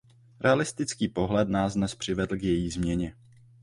Realistický pohled nás dnes přivedl k její změně.